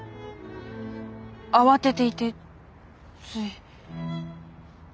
慌てていてつい。